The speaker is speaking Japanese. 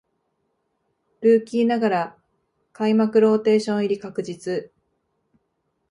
ルーキーながら開幕ローテーション入り確実